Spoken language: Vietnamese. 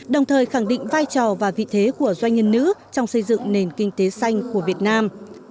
đồng thời khẳng định vai trò và vị thế của doanh nhân nữ trong xây dựng nền kinh tế xanh của việt nam